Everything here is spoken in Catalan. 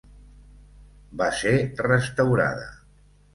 Va ser restaurada.